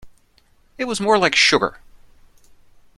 It was more like sugar.